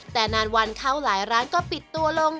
แต่นานวันเข้าหลายร้านก็ปิดตัวลง